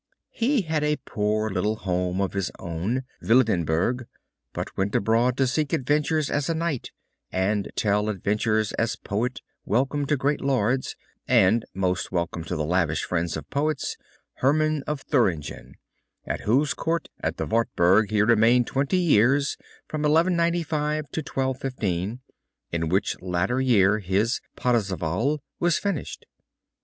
He had a poor little home of his own, Wildenberg, but went abroad to seek adventures as a knight, and tell adventures as a poet welcome to great lords, and most welcome to the lavish friend of poets, Hermann of Thuringen, at whose court on the Wartburg he remained twenty years, from 1195 to 1215, in which latter year his "Parzival" was finished.